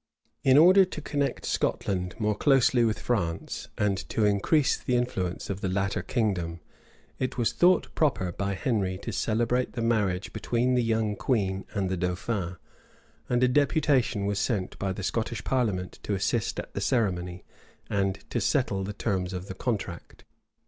[*]* Knox. p. 93. In order to connect Scotland more closely with France, and to increase the influence of the latter kingdom, it was thought proper by Henry to celebrate the marriage between the young queen and the dauphin; and a deputation was sent by the Scottish parliament to assist at the ceremony, and to settle the terms of the contract.